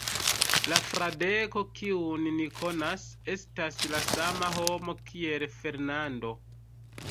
La Fradeko, kiun ni konas, estas la sama homo kiel Fernando.